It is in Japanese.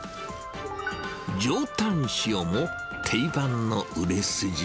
上タン塩も定番の売れ筋。